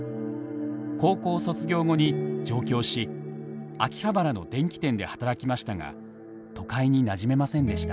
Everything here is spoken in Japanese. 高校卒業後に上京し秋葉原の電器店で働きましたが都会になじめませんでした。